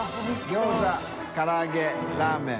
隋璽唐揚げラーメン